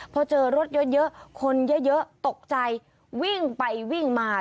พอเจอรถเยอะคนเยอะตกใจวิ่งไปวิ่งมา